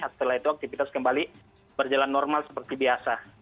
setelah itu aktivitas kembali berjalan normal seperti biasa